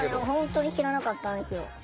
本当に知らなかったんですよ。